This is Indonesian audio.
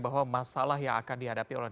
bahwa masalah yang akan dihadapi oleh